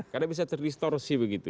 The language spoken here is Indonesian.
karena bisa terdistorsi begitu